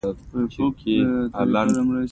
وزې د خپل بچي سره لوبې کوي